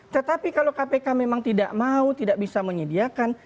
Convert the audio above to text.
tetapi kalau kpk memang tidak mau tidak bisa menyediakan